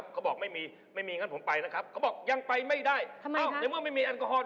จะไม่ไปได้ไงหรอกก็ที่คุณเป่าเมื่อกี้กระบอง